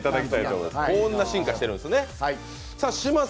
こんな進化してるんですね。